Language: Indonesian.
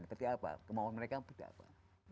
seperti apa kemauan mereka seperti apa